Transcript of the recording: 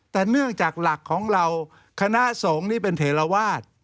แต่เนื่องจากหลักของเราคณะสงฆ์นี่เป็นเทราวาส